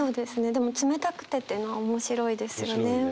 でも「冷たくて」っていうのは面白いですよね。